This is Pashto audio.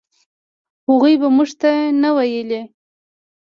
هغوی به موږ ته نه ویلې.